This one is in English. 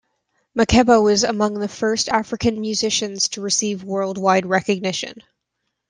Makeba was among the first African musicians to receive worldwide recognition.